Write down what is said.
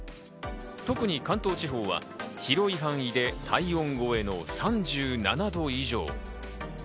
特に関東地方は広い範囲で体温超えの３７度以上。